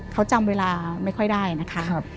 เขาจำเวลาไม่ค่อยได้นะคะ